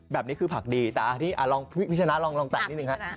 แบบนี้คือผักดีแต่อันนี้พี่ชนะลองแตะนิดนึงฮะ